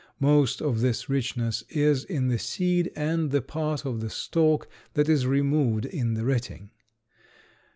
Most of this richness is in the seed and the part of the stalk that is removed in the retting.